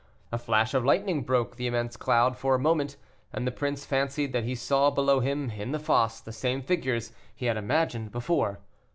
A flash of lightning broke the immense cloud for a moment, and the prince fancied that he saw below him in the fosse the same figures he had imagined before.